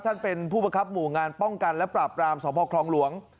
ท่านเป็นผู้ประคับหมู่งานป้องกันและปราบรามสมภครองหลวง